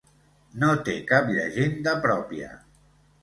No té cap llegenda pròpia.